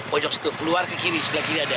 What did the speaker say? pojok situ keluar ke kiri sebelah kiri ada